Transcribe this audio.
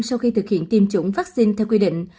sau khi thực hiện tiêm chủng vaccine theo quy định